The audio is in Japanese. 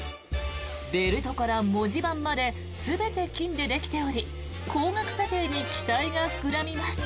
ベルトから文字盤まで全て金でできており高額査定に期待が膨らみます。